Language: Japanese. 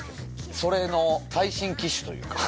それの最新機種というか。